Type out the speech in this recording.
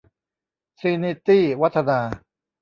ทรีนีตี้ วัฒนา